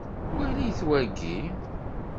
Walit wagi.